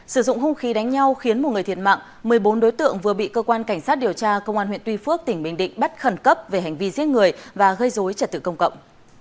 sử dụng hung khí đánh nhau khiến một người thiệt mạng một mươi bốn đối tượng vừa bị cơ quan cảnh sát điều tra công an huyện tuy phước tỉnh bình định bắt khẩn cấp về hành vi giết người và gây dối trật tự công cộng